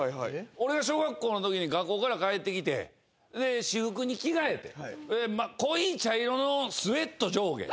俺が小学校のときに学校から帰ってきて私服に着替えて濃い茶色のスエット上下。